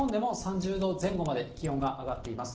そして西日本でも３０度前後まで、気温が上がっています。